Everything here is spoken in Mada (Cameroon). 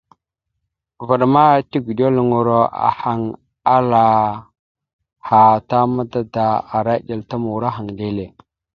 Vvaɗ ma tigəɗeluŋoro ahaŋ ala aha ta mada da ara eɗel ta murahaŋ leele.